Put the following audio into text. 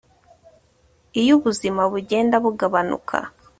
iyo ubuzima bugenda bugabanuka